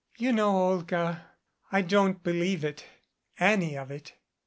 "You know, Olga, I don't believe it any of it."